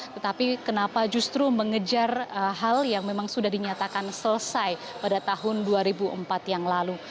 tetapi kenapa justru mengejar hal yang memang sudah dinyatakan selesai pada tahun dua ribu empat yang lalu